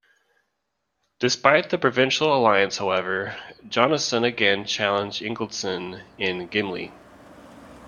Despite the provincial alliance, however, Jonasson again challenged Ingaldson in Gimli.